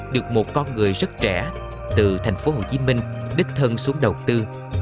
được một con người rất trẻ từ thành phố hồ chí minh đích thân xuống đầu tư